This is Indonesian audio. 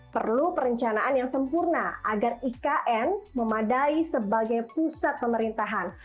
perlu perencanaan yang sempurna agar ikn memadai sebagai pusat pemerintahan